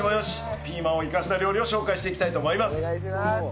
ピーマンを生かした料理を紹介していきたいと思います。